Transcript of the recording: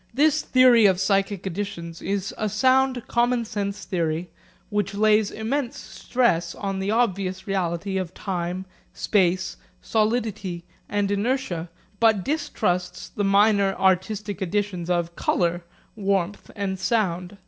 This theory of psychic additions is a sound common sense theory which lays immense stress on the obvious reality of time, space, solidity and inertia, but distrusts the minor artistic additions of colour, warmth and sound.